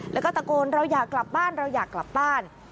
แล้วก็ตะโกนเราอยากกลับบ้านเราอยากกลับบ้าน